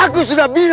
aku sudah bilang